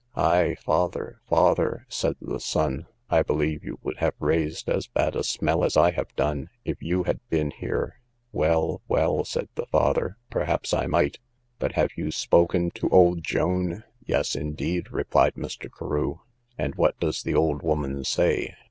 Ay, father, father, said the son, I believe you would have raised as bad a smell as I have done, if you had been here. Well, well, said the father, perhaps I might; but have you spoken to old Joan? Yes, indeed, replied Mr. Carew. And what does the old woman say?